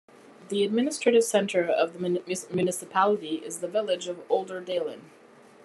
The administrative centre of the municipality is the village of Olderdalen.